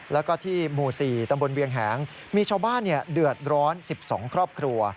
แล้วก็ที่หมู่๔ตำบลเวียงแหงมีชาวบ้านเดือดร้อน๑๒ครอบครัว